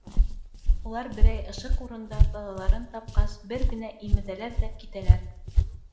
Улар берәй ышыҡ урында балаларын тапҡас, бер генә имеҙәләр ҙә, китәләр.